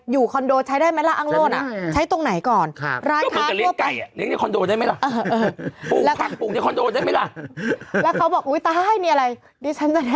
อยู่คอนโดใช้ได้ไหมล่ะอังโลน่ะใช้ตรงไหนก่อนร้านค้าเข้าไปก็มันกระเรียกไก่